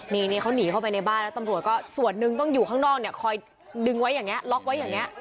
นี่เขาหนีเข้าไปในบ้านแล้วตำรวจก็ส่วนหนึ่งต้องอยู่ข้างนอกเนี่ยคอยดึงไว้อย่างนี้ล็อกไว้อย่างนี้